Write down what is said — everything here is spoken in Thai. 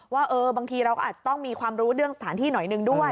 ว่าบางทีเราก็อาจจะต้องมีความรู้เรื่องสถานที่หน่อยหนึ่งด้วย